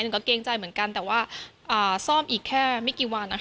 ก็เกรงใจเหมือนกันแต่ว่าซ่อมอีกแค่ไม่กี่วัน